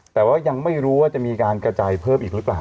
แต่ว่ายังไม่รู้ว่าจะมีการกระจายเพิ่มอีกหรือเปล่า